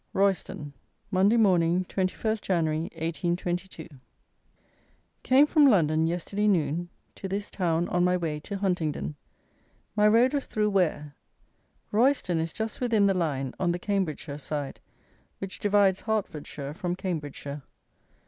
Royston, Monday morning, 21st Jan., 1822. Came from London, yesterday noon, to this town on my way to Huntingdon. My road was through Ware. Royston is just within the line (on the Cambridgeshire side), which divides Hertfordshire from Cambridgeshire.